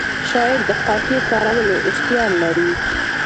شاعر د قافیه کارولو اختیار لري.